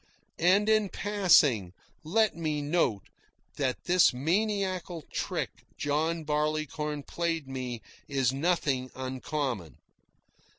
And, in passing, let me note that this maniacal trick John Barleycorn played me is nothing uncommon.